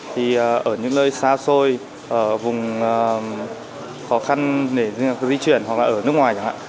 thì ở những nơi xa xôi ở vùng khó khăn để di chuyển hoặc là ở nước ngoài chẳng hạn